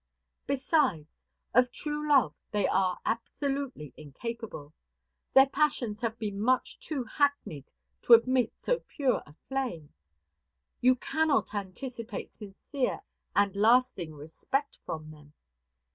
Besides, of true love they are absolutely incapable. Their passions have been much too hackneyed to admit so pure a flame. You cannot anticipate sincere and lasting respect from them.